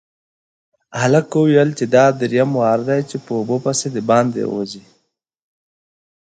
هلک وويل چې دا دريم وار دی چې په اوبو پسې د باندې وځي.